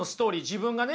自分がね